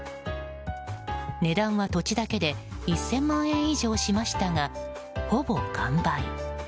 値段は土地だけで１０００万円以上しましたがほぼ完売。